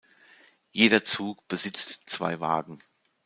Jeder Zug besitzt zwei Wagen.